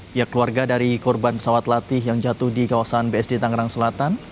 pihak keluarga dari korban pesawat latih yang jatuh di kawasan bsd tangerang selatan